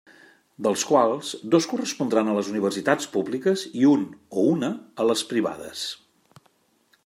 Dels quals, dos correspondran a les universitats públiques i un o una a les privades.